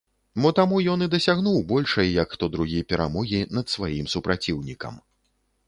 Мо таму ён і дасягнуў большай, як хто другі, перамогі над сваім супраціўнікам.